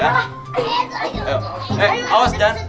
eh awas jan